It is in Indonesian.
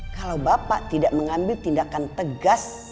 kalau bapak tidak mengambil tindakan tegas